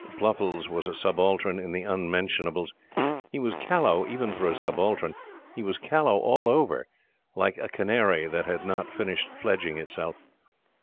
Pluffles was a subaltern in the "Unmentionables." He was callow, even for a subaltern. He was callow all over like a canary that had not finished fledging itself.